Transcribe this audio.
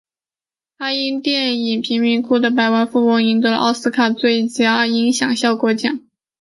他因电影贫民窟的百万富翁赢得了奥斯卡最佳音响效果奖。